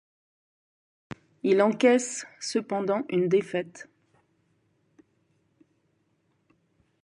Il encaisse cependant une défaite.